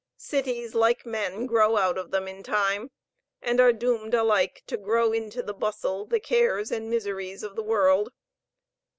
Cities, like men, grow out of them in time, and are doomed alike to grow into the bustle, the cares, and miseries of the world.